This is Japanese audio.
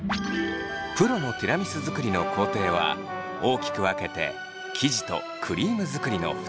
プロのティラミス作りの工程は大きく分けて生地とクリーム作りの２つ。